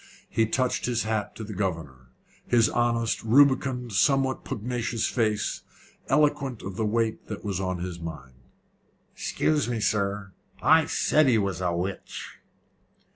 He touched his hat to the governor his honest, rubicund, somewhat pugnacious face, eloquent of the weight that was on his mind. "Excuse me, sir. I said he was a witch."